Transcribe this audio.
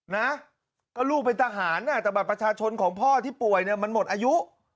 ก็ลูกเป็นทหารเนี่ยแต่บัตรประชาชนของพ่อที่ป่วยมันหมดอายุ